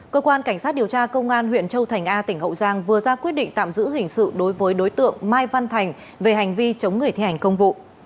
cơ quan cảnh sát điều tra công an huyện châu thành a tỉnh hậu giang vừa ra quyết định tạm giữ hình sự đối với đối tượng mai văn thành về hành vi chống người thi hành công vụ